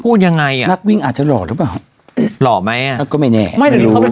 พูดยังไงอ่ะนักวิ่งอาจจะรอดรึเปล่านักวิ่งอาจจะรอดรึเปล่า